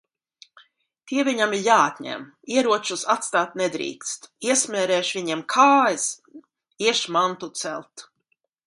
Tie viņam ir jāatņem. Ieročus atstāt nedrīkst. Iesmērēšu viņiem kājas! Iešu mantu celt.